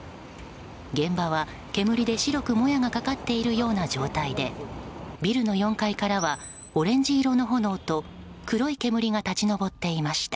現場は煙で白くもやがかかっているような状態でビルの４階からはオレンジ色の炎と黒い煙が立ち上っていました。